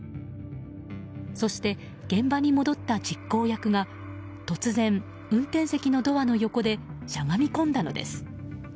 そして、現場に戻った実行役が突然、運転席のドアの横でしゃがみ込んだのです。